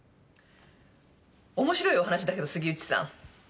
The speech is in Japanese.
面白いお話だけど杉内さん。